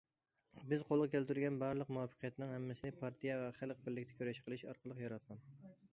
بىز قولغا كەلتۈرگەن بارلىق مۇۋەپپەقىيەتنىڭ ھەممىسىنى پارتىيە ۋە خەلق بىرلىكتە كۈرەش قىلىش ئارقىلىق ياراتقان.